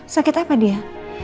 sakit apa dia